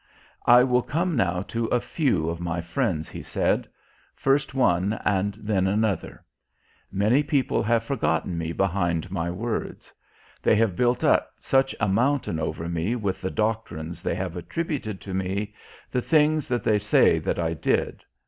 "I will come now to a few of My friends," He said. "First one and then another. Many people have forgotten Me behind My words. They have built up such a mountain over Me with the doctrines they have attributed to Me, the things that they say that I did.